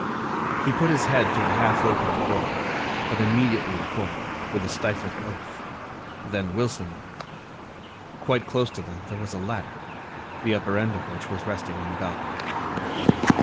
He put his head through the half opened door, but immediately recoiled, with a stifled oath. Then Wilson looked. Quite close to them there was a ladder, the upper end of which was resting on the balcony.